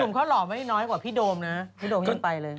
เขาหล่อไม่น้อยกว่าพี่โดมนะพี่โดมยิ่งไปเลย